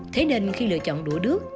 thế nên khi lựa chọn đũa đước